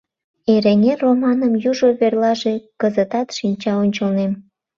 «Эреҥер» романым южо верлаже кызытат шинча ончылнем.